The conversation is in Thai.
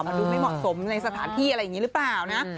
มันดูไม่เหมาะสมในสถานที่อะไรอย่างนี้หรือเปล่านะ